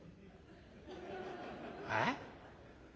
「えっ？